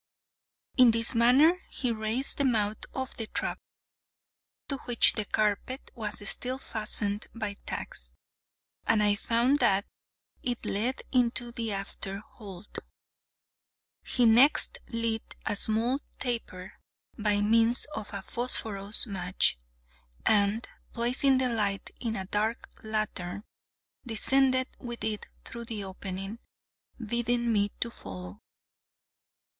In this manner he raised the mouth of the trap (to which the carpet was still fastened by tacks), and I found that it led into the after hold. He next lit a small taper by means of a phosphorous match, and, placing the light in a dark lantern, descended with it through the opening, bidding me follow.